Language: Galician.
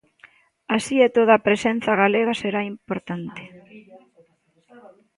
Así e todo a presenza galega será importante.